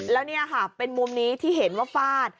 แล้วนี่ค่ะเป็นมุมนี้ที่เห็นว่าฟาด